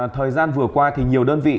thời gian vừa qua thì nhiều đơn vị